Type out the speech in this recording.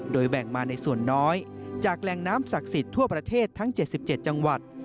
แบ่งมาในส่วนน้อยจากแหล่งน้ำศักดิ์สิทธิ์ทั่วประเทศทั้ง๗๗จังหวัด